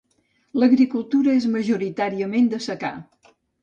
L'agricultura és majoritàriament de secà.